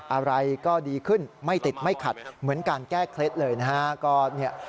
อะไรก็ดีขึ้นไม่ติดไม่ขัดเหมือนการแก้เคล็ดเลยนะฮะ